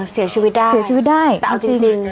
เสียชีวิตได้แต่เอาจริง